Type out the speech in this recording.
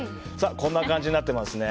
こんな感じになってますね。